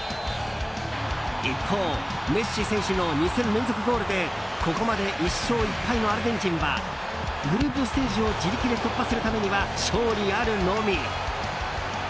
一方メッシ選手の２戦連続ゴールでここまで１勝１敗のアルゼンチンはグループステージを自力で突破するためには勝利あるのみ。